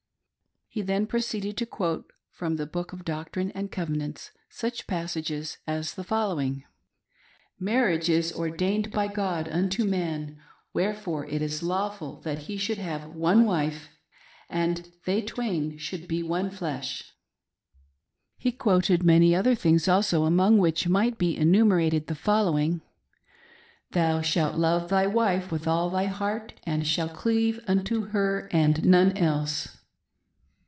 He then proceeded to quote from the Book of Doctrine and Covenants " such passages as the following :—" Marriage is ordained by God unto man ; wherefore it is lawful that he should have one wife, and they twain should be one flesh, [p. 218]. 104 THE FLIRTATIONS OF A DISTINGUISHED ELDER. He quoted many other things also, among which might be enumerated the following :" Thou shalt love thy wife with all thy heart, and shalt deave unto her, and none else."